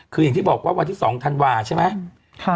คืออย่างที่บอกว่าวันที่๒ธันวาใช่ไหม